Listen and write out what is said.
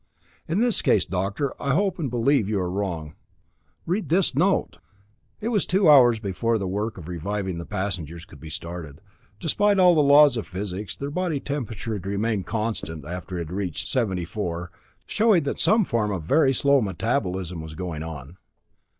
"In this case, Doctor, I hope and believe you are wrong. Read this note!" It was two hours before the work of reviving the passengers could be started. Despite all the laws of physics, their body temperature had remained constant after it had reached seventy four, showing that some form of very slow metabolism was going on.